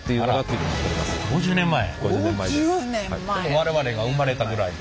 我々が生まれたぐらいの。